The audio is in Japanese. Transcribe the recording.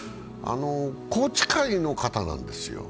宏池会の方なんですよ。